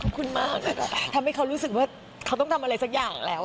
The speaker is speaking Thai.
คุณแม่ทำให้เขารู้สึกว่าเขาต้องทำอะไรสักอย่างแล้ว